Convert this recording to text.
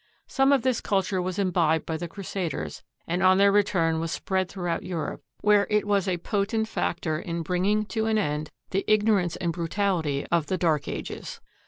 Some of this culture was imbibed by the crusaders, and on their return was spread throughout Europe, where it was a potent factor in bringing to an end the ignorance and brutality of the Dark Ages.